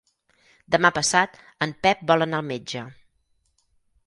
Demà passat en Pep vol anar al metge.